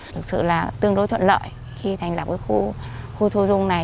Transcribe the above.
thực sự là tương đối thuận lợi khi thành lập cái khu khu thu dung này